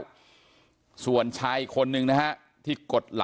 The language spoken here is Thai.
มีภาพวงจรปิดอีกมุมหนึ่งของตอนที่เกิดเหตุนะฮะ